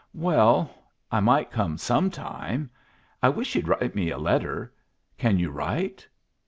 "Well, I might come some time. I wish you'd write me a letter. Can you write?"